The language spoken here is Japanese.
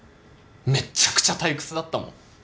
めっちゃくちゃ退屈だったもん。